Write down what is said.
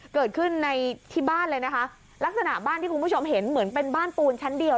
เกิดขึ้นในที่บ้านเลยนะคะลักษณะบ้านที่คุณผู้ชมเห็นเหมือนเป็นบ้านปูนชั้นเดียว